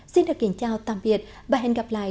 xin được kính chào tạm biệt và hẹn gặp lại